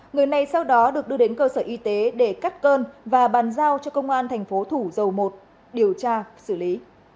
người này sau đó được đưa đến cơ sở y tế để cắt cơn và bàn giao cho công an thành phố thủ dầu một điều tra xử lý